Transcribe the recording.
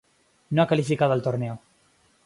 No ha calificado al torneo.